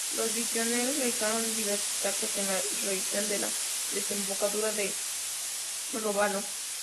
Los visigodos realizaron diversos ataques en la región de la desembocadura del Ródano.